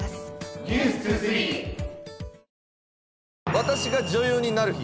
「私が女優になる日」